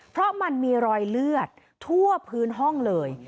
เพราะมันมีรอยเลือดทั่วพื้นห้องเลย